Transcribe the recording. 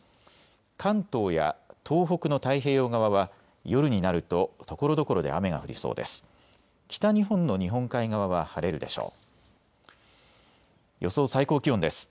関東や東北の太平洋側は夜になるとところどころで雨が降りそうです。